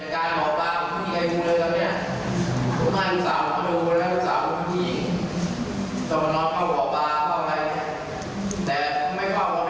ที่ประตบโชคเขาแถลกคำลักษณ์สักครู่